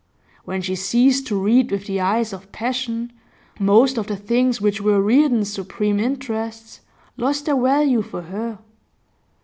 When she ceased to read with the eyes of passion, most of the things which were Reardon's supreme interests lost their value for her.